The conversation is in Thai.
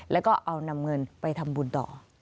แล้วก็เอานำเงินไปทำบุญต่อ